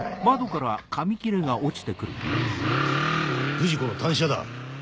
不二子の単車だ。